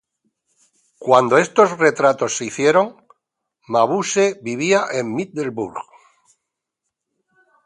Cuando estos retratos se hicieron, Mabuse vivía en Middelburg.